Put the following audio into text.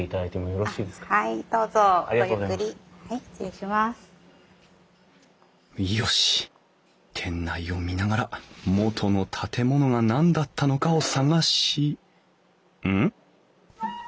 よし店内を見ながら元の建物が何だったのかを探しうん？